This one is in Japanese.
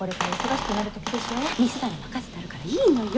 店なら任せてあるからいいのよ！